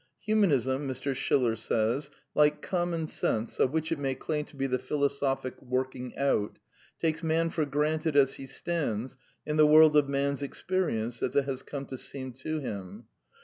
"Humanism," Mr. Schiller says, "like Common Sense, of which it may claim to be the philosophic working out, takes Man for granted as he stands, in the world of man's experience as it has come to seem to him."